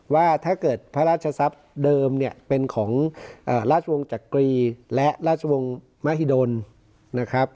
ว่าถ้าเกิดพระราชทรัพย์เดิมเนี่ยเป็นของราชวงศ์จักรีและราชวงศ์มหิดลนะครับ